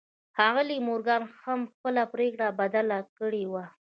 ښاغلي مورګان هم خپله پرېکړه بدله کړې وه.